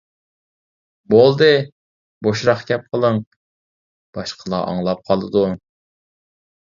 -بولدى، بوشراق گەپ قىلىڭ. باشقىلار ئاڭلاپ قالىدۇ.